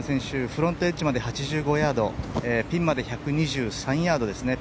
フロントエッジまで８５ヤードピンまで１２３ヤードですね。